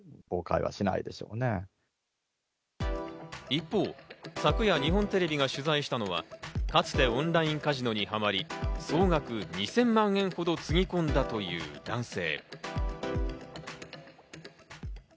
一方、昨夜、日本テレビが取材したのは、かつてオンラインカジノにはまり、総額２０００万円ほどつぎ込んだという男性。